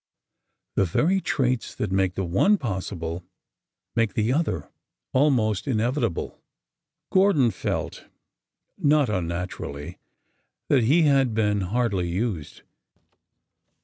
The very traits that make the one possible, make the other almost inevitable. Gordon felt, not unnaturally, that he had been hardly used.